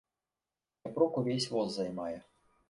Япрук увесь воз займае.